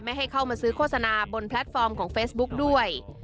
ให้เข้ามาซื้อโฆษณาบนแพลตฟอร์มของเฟซบุ๊กด้วย